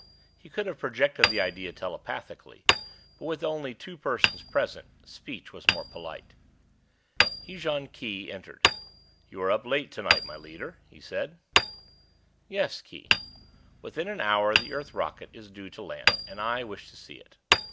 He could have projected the idea telepathically; but with only two persons present, speech was more polite. Ejon Khee entered. "You are up late tonight, my leader," he said. "Yes, Khee. Within an hour the Earth rocket is due to land, and I wish to see it.